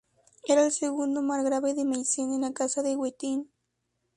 Era el segundo margrave de Meissen de la Casa de Wettin.